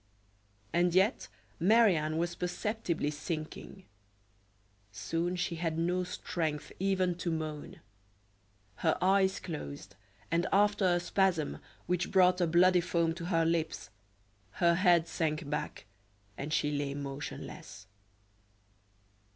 And yet, Marie Anne was perceptibly sinking. Soon she had not strength even to moan; her eyes closed, and after a spasm which brought a bloody foam to her lips, her head sank back, and she lay motionless.